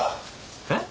えっ？